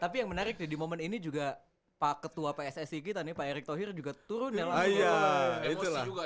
tapi yang menarik di momen ini juga pak ketua pssi kita nih pak erik thohir juga turun ya langsung